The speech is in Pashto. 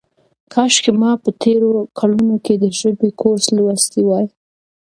کاشکې ما په تېرو کلونو کې د ژبې کورس لوستی وای.